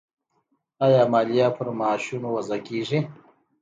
آیا مالیه پر معاشونو وضع کیږي؟